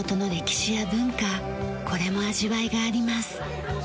これも味わいがあります。